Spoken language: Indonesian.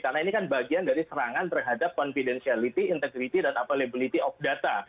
karena ini kan bagian dari serangan terhadap confidentiality integrity dan availability of data